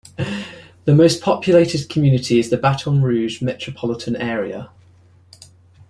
The most populated community is the Baton Rouge metropolitan area.